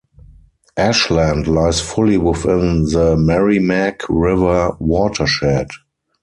Ashland lies fully within the Merrimack River watershed.